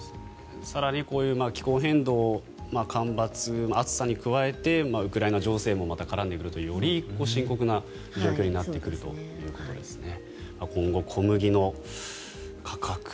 更にこういう気候変動干ばつ、暑さに加えてウクライナ情勢もまた絡んでくるとより深刻な状況になってくるということですね。